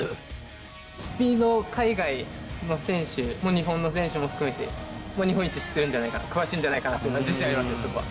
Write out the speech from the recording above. スピードは海外の選手も、日本の選手も含めて、日本一知っているんじゃないか、詳しいんじゃないかっていう自信はあります、そこは。